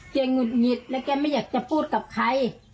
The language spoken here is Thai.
หงุดหงิดและแกไม่อยากจะพูดกับใคร